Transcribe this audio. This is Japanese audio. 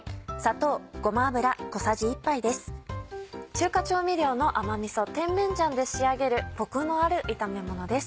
中華調味料の甘みそ甜麺醤で仕上げるコクのある炒め物です。